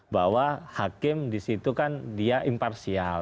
bahwa hakim di situ kan dia imparsial